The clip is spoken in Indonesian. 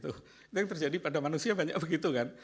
itu yang terjadi pada manusia banyak begitu kan